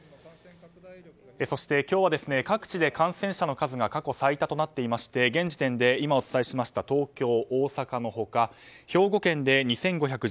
そして、今日は各地で感染者の数が過去最多となっていまして現時点で今お伝えしました東京、大阪の他兵庫県で２５１４人